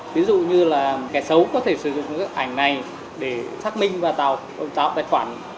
ví dụ như là kẻ xấu có thể sử dụng cái ảnh này để xác minh và tạo tài khoản